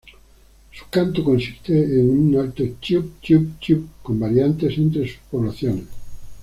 Su canto consiste en un alto "chiiup-chiiup-chiiup" con variantes entre sus poblaciones.